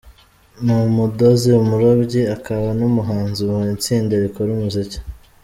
ni umudozi, umurobyi, akaba n’umuhanzi mu itsinda rikora umuziki